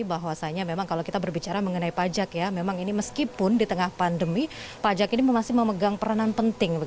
bahwasanya memang kalau kita berbicara mengenai pajak ya memang ini meskipun di tengah pandemi pajak ini masih memegang peranan penting